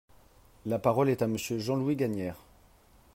La parole est à Monsieur Jean-Louis Gagnaire.